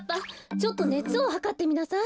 ちょっとねつをはかってみなさい。